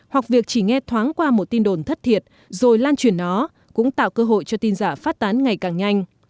hoặc việc chỉ nghe thoáng qua một tin đồn thất thiệt rồi lan truyền nó cũng tạo cơ hội cho tin giả phát tán ngày càng nhanh